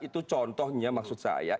itu contohnya maksud saya